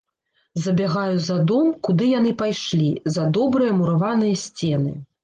Забягаю за дом, куды яны пайшлі, за добрыя мураваныя сцены.